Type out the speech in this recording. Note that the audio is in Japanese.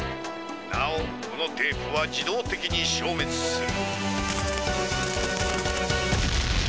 なおこのテープは自動てきに消めつする。